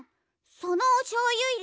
そのおしょうゆいれ